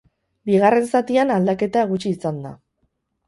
Bigarren zatian aldaketa gutxi izan da.